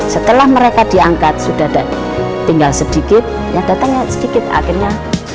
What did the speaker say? setelah mereka diangkat sudah tinggal sedikit ya datangnya sedikit akhirnya